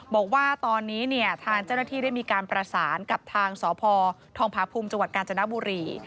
บอกว่าตอนนี้เนี่ยทางเจ้าหน้าที่ได้มีการประสานกับทางสพทองพาภูมิจังหวัดกาญจนบุรี